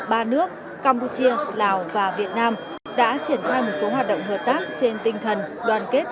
ba nước campuchia lào và việt nam đã triển khai một số hoạt động hợp tác trên tinh thần đoàn kết